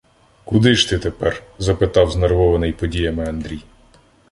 куди ж ти тепер? — запитав знервований подіями Андрій.